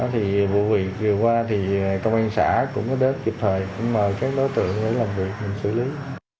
thì vụ việc vừa qua thì công an xã cũng có đến kịp thời cũng mời các đối tượng đi làm việc mình xử lý